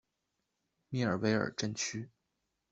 米尔维尔镇区。